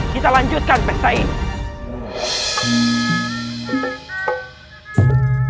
kita lanjutkan pesta ini